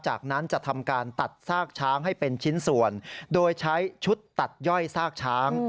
จากนั้นจะทำการตัดซากช้างให้เป็นชิ้นส่วนโดยใช้ชุดตัดย่อยซากช้าง